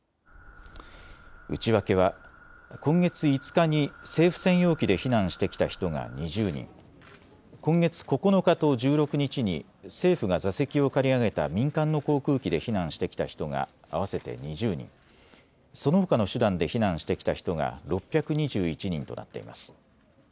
内訳は今月５日に政府専用機で避難してきた人が２０人、今月９日と１６日に政府が座席を借り上げた民間の航空機で避難してきた人が合わせて２０人、そのほかの手段で避難してきた人が６２１人となっています。